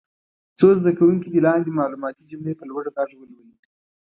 څو زده کوونکي دې لاندې معلوماتي جملې په لوړ غږ ولولي.